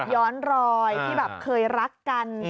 ย้อนรอยที่แบบเคยรักกัน